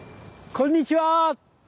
こんにちは。